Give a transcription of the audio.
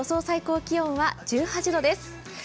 最高気温は１８度です。